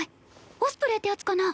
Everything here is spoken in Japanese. オスプレイってやつかな？